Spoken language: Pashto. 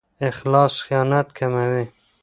اخلاص خیانت کموي.